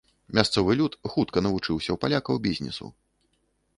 Мясцовы люд хутка навучыўся ў палякаў бізнесу.